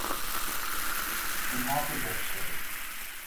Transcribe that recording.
Unthâld dit webstee.